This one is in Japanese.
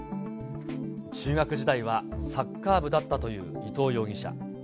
中学時代はサッカー部だったという伊藤容疑者。